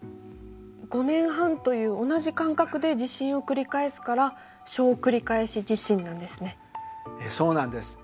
５年半という同じ間隔で地震を繰り返すから小繰り返し地震なんですね。